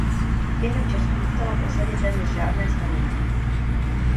Během času nezůstalo v osadě téměř žádné stavení.